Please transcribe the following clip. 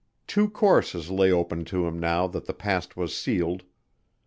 Two courses lay open to him now that the past was sealed.